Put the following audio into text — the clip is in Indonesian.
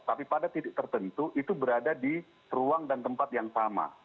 tapi pada titik tertentu itu berada di ruang dan tempat yang sama